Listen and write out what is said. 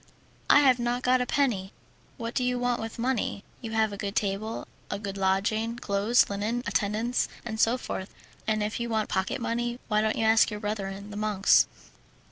I have not got a penny." "What do you want with money? You have a good table, a good lodging, clothes, linen, attendance, and so forth. And if you want pocket money, why don't you ask your brethren the monks?"